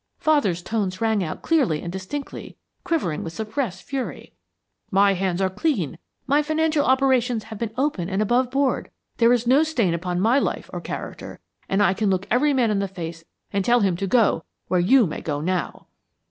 Father's tones rang out clearly and distinctly, quivering with suppressed fury. 'My hands are clean, my financial operations have been open and above board; there is no stain upon my life or character, and I can look every man in the face and tell him to go where you may go now!'